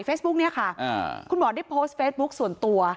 เนี่ยค่ะคุณหมอได้โพสต์เฟซบุ๊คส่วนตัว